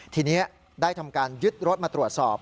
ทีนี้ได้ทำการยึดรถมาตรวจสอบ